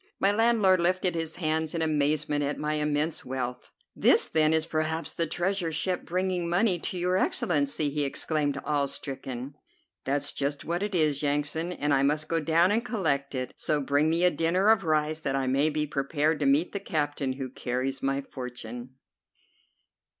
My landlord lifted his hands in amazement at my immense wealth. "This, then, is perhaps the treasure ship bringing money to your Excellency," he exclaimed, awestricken. "That's just what it is, Yansan, and I must go down and collect it; so bring me a dinner of rice, that I may be prepared to meet the captain who carries my fortune."